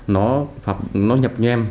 nó nhập nhem